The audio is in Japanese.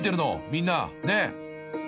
みんな。ねえ］